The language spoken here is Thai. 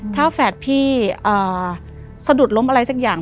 ถ้าแฝดพี่สะดุดล้มอะไรสักอย่าง